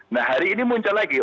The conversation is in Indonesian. nah hari ini muncul lagi